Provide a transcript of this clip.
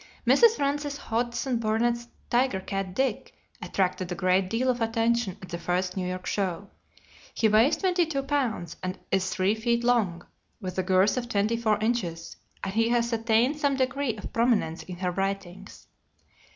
Mrs. Frances Hodgson Burnett's tiger cat Dick attracted a great deal of attention at the first New York show. He weighs twenty two pounds and is three feet long, with a girth of twenty four inches; and he has attained some degree of prominence in her writings.